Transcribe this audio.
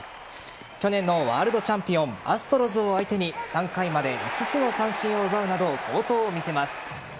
去年のワールドチャンピオンアストロズを相手に３回まで５つの三振を奪うなど好投を見せます。